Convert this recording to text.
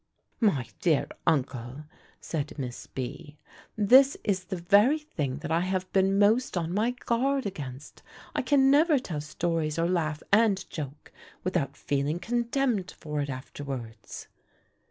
"My dear uncle," said Miss B., "this is the very thing that I have been most on my guard against; I can never tell stories, or laugh and joke, without feeling condemned for it afterwards."